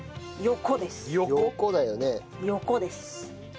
横です。